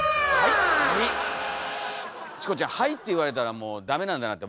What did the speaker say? チコちゃん「はい！」って言われたらもうダメなんだなって分かっちゃう。